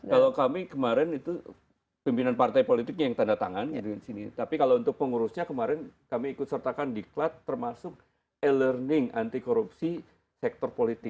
kalau kami kemarin itu pimpinan partai politiknya yang tanda tangan sini tapi kalau untuk pengurusnya kemarin kami ikut sertakan diklat termasuk e learning anti korupsi sektor politik